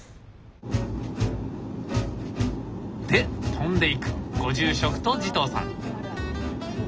で飛んでいくご住職と慈瞳さん。